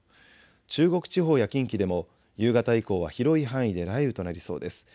中国地方や近畿でも夕方以降は広い範囲で雷雨となりそうです。